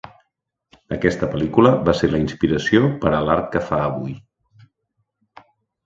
Aquesta pel·lícula va ser la inspiració per a l'art que fa avui.